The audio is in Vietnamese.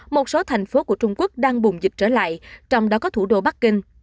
một số thành phố của trung quốc đang bùng dịch trở lại trong đó có thủ đô bắc kinh